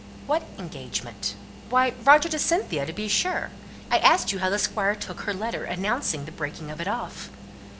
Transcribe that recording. "What engagement?" "Why, Roger to Cynthia, to be sure. I asked you how the Squire took her letter, announcing the breaking of it off?"